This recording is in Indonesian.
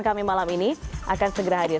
kami malam ini akan segera hadir